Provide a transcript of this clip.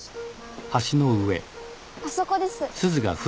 あそこです。